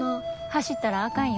走ったらあかんよ。